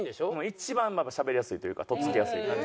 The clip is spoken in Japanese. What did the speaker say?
一番しゃべりやすいというか取っ付きやすいなと。